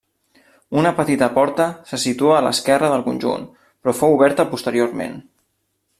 Una petita porta se situa a l'esquerra del conjunt, però fou oberta posteriorment.